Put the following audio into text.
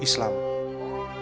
mereka memeluk islam